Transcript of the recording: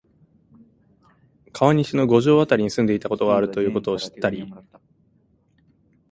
川西の五条あたりに住んでいたことがあるということを知ったり、